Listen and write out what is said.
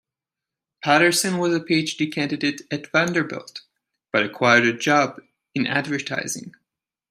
Patterson was a Ph.D. candidate at Vanderbilt, but acquired a job in advertising.